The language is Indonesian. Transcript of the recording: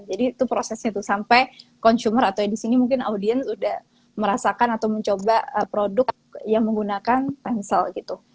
itu prosesnya tuh sampai consumer atau di sini mungkin audiens udah merasakan atau mencoba produk yang menggunakan pansel gitu